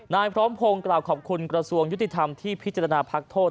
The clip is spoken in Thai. นายพร้อมพงศ์กล่าวขอบคุณกระทรวงยุติธรรมที่พิจารณาพักโทษ